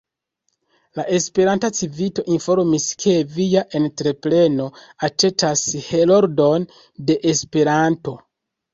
La Esperanta Civito informis, ke via entrepreno aĉetas Heroldon de Esperanto.